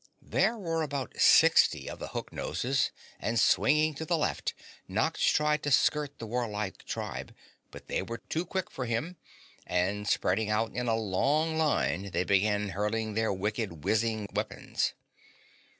There were about sixty of the hook noses, and swinging to the left, Nox tried to skirt the war like tribe, but they were too quick for him, and spreading out in a long line they began hurling their wicked whizzing weapons.